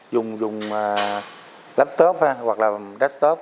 dùng laptop hoặc là desktop